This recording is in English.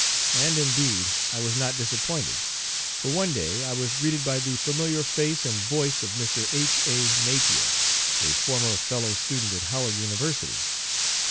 And, indeed, I was not disappointed, for, one day, I was greeted by the familiar face and voice of Mr. H. A. Napier, a former fellow student at Howard University.